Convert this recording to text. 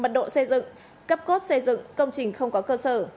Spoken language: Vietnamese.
mật độ xây dựng cấp cốt xây dựng công trình không có cơ sở